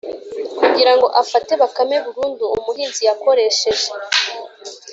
kugira ngo afate bakame burundu umuhinzi yakoresheje